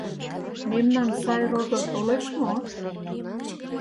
Мемнан сай родо толеш мо?